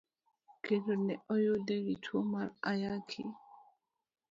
Kendo ne oyude gi tuo mar Ayaki.